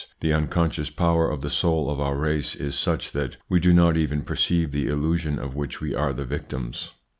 The unconscious power of the soul of our race is such that we do not even perceive the illusion of which we are the victims.